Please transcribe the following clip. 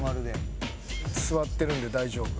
座ってるんで大丈夫。